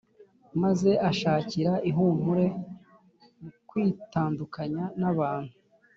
maze ashakira ihumure mu kwitandukanya n’abantu